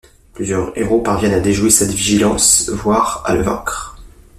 Plusieurs héros parviennent à déjouer sa vigilance, voire à le vaincre.